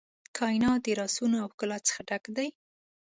کائنات د رازونو او ښکلا څخه ډک دی.